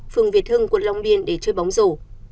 phường việt hưng quận long biên để chơi bóng rổ